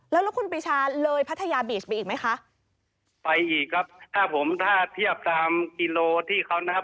แล้วแล้วคุณปีชาเลยพัทยาบีชไปอีกไหมคะไปอีกครับถ้าผมถ้าเทียบตามกิโลที่เขานะครับ